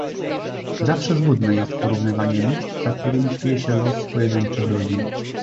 Zawsze złudne jest porównywanie liczb, za którymi kryje się los pojedynczych ludzi